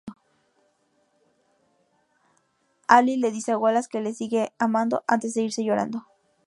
Ally le dice a Wallace que le sigue amando antes de irse llorando.